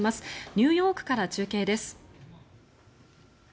ニューヨークから中継です。